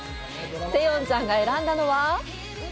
セヨンちゃんが選んだのは？